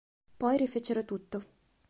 Poi rifecero tutto.